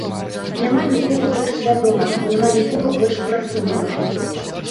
Няма нікога больш свядомага, няма нікога больш прасунутага.